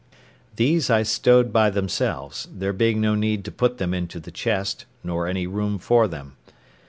These I stowed by themselves, there being no need to put them into the chest, nor any room for them.